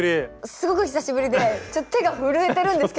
すごく久しぶりでちょっ手が震えてるんですけど。